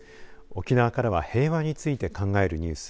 沖縄からは平和について考えるニュース。